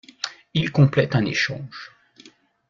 Il complète un échange.